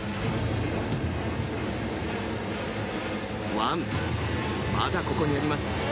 １まだここにあります。